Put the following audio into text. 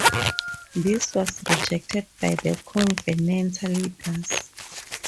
This was rejected by the Covenanter leaders.